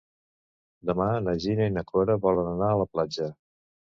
Demà na Gina i na Cora volen anar a la platja.